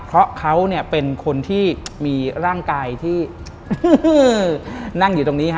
เพราะเขาเป็นคนที่มีร่างกายที่นั่งอยู่ตรงนี้